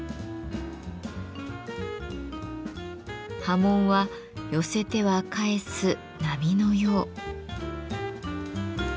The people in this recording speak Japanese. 刃文は寄せては返す波のよう。